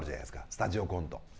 スタジオコント。